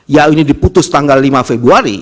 yaitu diputus tanggal lima februari